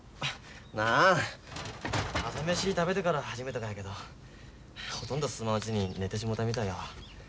なーん朝飯食べてから始めたがやけどほとんど進まんうちに寝てしもうたみたいやわ。